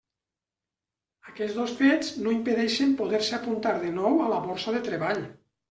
Aquests dos fets no impedeixen poder-se apuntar de nou a la borsa de treball.